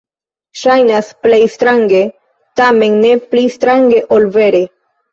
Ŝajnas plej strange, tamen ne pli strange ol vere.